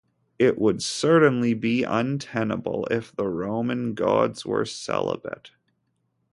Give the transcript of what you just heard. It would certainly be untenable if the Roman gods were celibate.